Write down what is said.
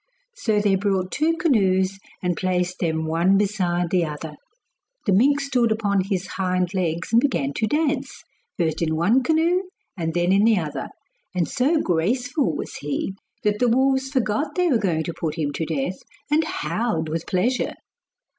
So they brought two canoes and placed them one beside the other. The mink stood up on his hind legs and began to dance, first in one canoe and then in the other; and so graceful was he, that the wolves forgot they were going to put him to death, and howled with pleasure.